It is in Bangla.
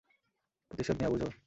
প্রতিশোধ নেয়া বুঝো?